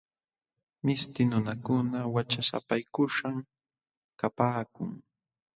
Mishti nunakuna wachasapaykuśhqam kapaakun.